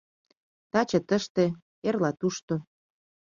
Таче тыште, эрла тушто